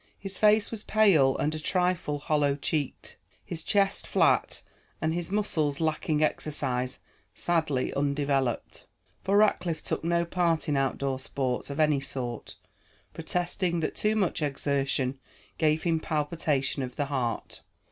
His face was pale and a trifle hollow cheeked, his chest flat, and his muscles, lacking exercise, sadly undeveloped. For Rackliff took no part in outdoor sports of any sort, protesting that too much exertion gave him palpitation of the heart.